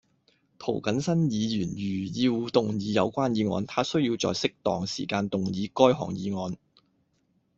涂謹申議員如要動議有關議案，他須在適當時間動議該項議案